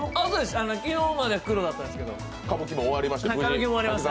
昨日まで黒だったんですけど、歌舞伎も終わりまして。